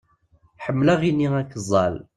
Ḥemmelaɣ ini akeẓẓal.